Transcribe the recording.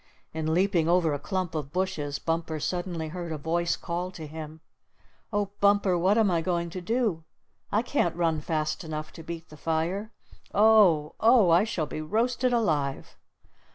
In leaping over a clump of bushes, Bumper suddenly heard a voice call to him. "Oh, Bumper, what am I going to do? I can't run fast enough to beat the fire. Oh! Oh! I shall be roasted alive!"